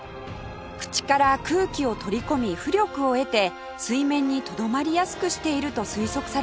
口から空気を取り込み浮力を得て水面にとどまりやすくしていると推測されています